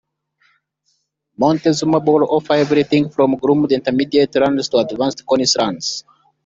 Montezuma Bowl offers everything from groomed intermediate runs to advanced cornice runs.